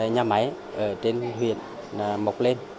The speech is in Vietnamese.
nhà máy ở trên huyện mọc lên